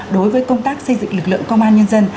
đối với công tác xây dựng lực lượng công an nhân dân